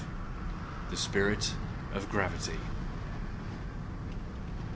THE SPIRIT OF GRAVITY.